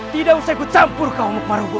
tidak usah ku campur kau mukmarubo